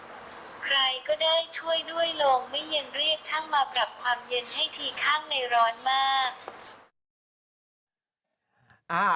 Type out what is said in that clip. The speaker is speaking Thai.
ใครก็ได้ช่วยด้วยลงไม่เย็นเรียกช่างมาปรับความเย็นให้ทีข้างในร้อนมาก